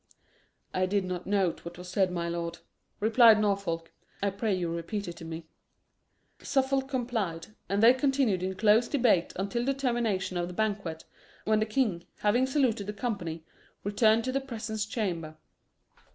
"I did not note what was said, my lord," replied Norfolk; "I pray you repeat it to me." Suffolk complied, and they continued in close debate until the termination of the banquet, when the king, having saluted the company, returned to the presence chamber.